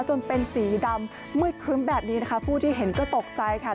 จนเป็นสีดำมืดครึ้มแบบนี้นะคะผู้ที่เห็นก็ตกใจค่ะ